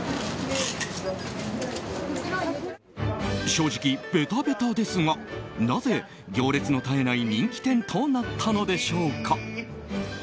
正直、ベタベタですがなぜ行列の絶えない人気店となったのでしょうか。